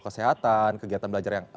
kesehatan kegiatan belajar yang